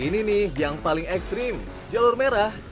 ini nih yang paling ekstrim jalur merah